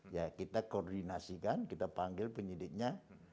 ya kita koordinasikan kita panggil penyidiknya